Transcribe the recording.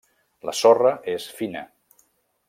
La sorra és fina.